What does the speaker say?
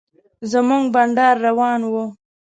زموږ بنډار روان و.